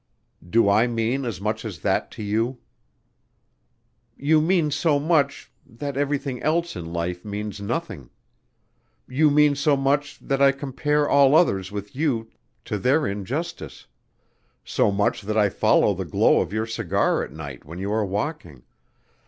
"Do I mean as much as that to you?" "You mean so much that everything else in life means nothing.... You mean so much that I compare all others with you to their injustice ... so much that I follow the glow of your cigar at night when you are walking